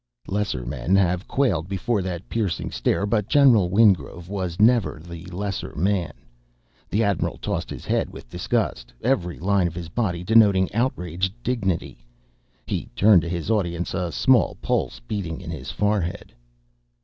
Lesser men have quailed before that piercing stare, but General Wingrove was never the lesser man. The admiral tossed his head with disgust, every line of his body denoting outraged dignity. He turned to his audience, a small pulse beating in his forehead.